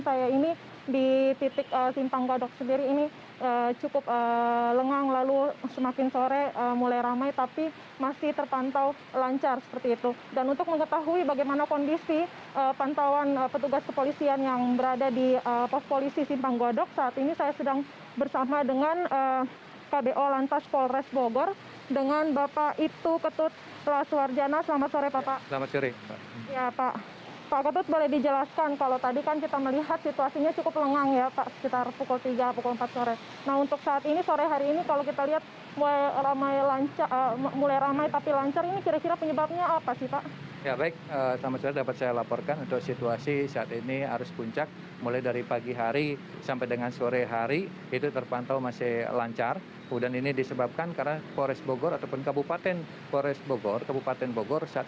titik pusat gempa bermagnitudo